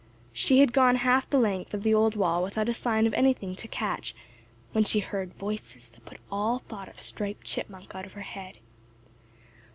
She had gone half the length of the old wall without a sign of anything to catch when she heard voices that put all thought of Striped Chipmunk out of her head.